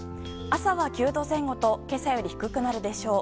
朝は９度前後と今朝より低くなるでしょう。